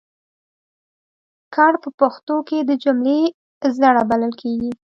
کړ په پښتو کې د جملې زړه بلل کېږي.